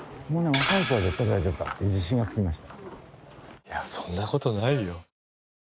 いやそんな事ないよ。